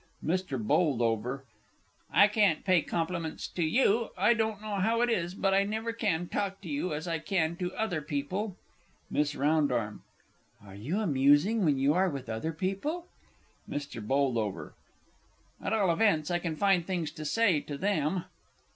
MR. B. I can't pay compliments to you I don't know how it is, but I never can talk to you as I can to other people! MISS R. Are you amusing when you are with other people? MR. B. At all events I can find things to say to them.